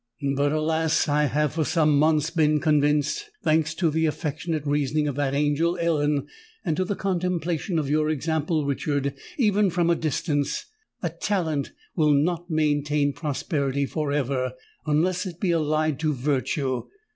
But, alas! I have for some months been convinced—thanks to the affectionate reasoning of that angel Ellen, and to the contemplation of your example, Richard, even from a distance—that talent will not maintain prosperity for ever, unless it be allied to virtue!